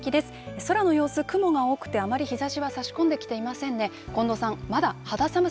空の様子、雲が多くてあまり日ざしは差し込んできていませんね。